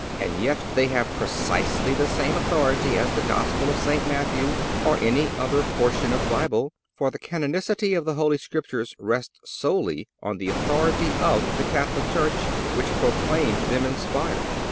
And yet they have precisely the same authority as the Gospel of St. Matthew or any other portion of the Bible, for the canonicity of the Holy Scriptures rests solely on the authority of the Catholic Church, which proclaimed them inspired.